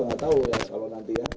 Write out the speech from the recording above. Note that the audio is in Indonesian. nggak tahu ya kalau nanti ya